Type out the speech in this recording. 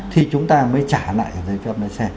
thì chúng ta mới trả lại giấy phép lái xe